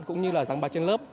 cũng như là giảng bài trên lớp